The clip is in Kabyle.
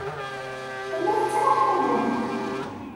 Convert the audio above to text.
Tella tettraḥ tamemt.